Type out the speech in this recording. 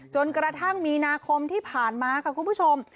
จนกระทั่งมีนาคมที่ผ่านมาค่ะคุณผู้ชม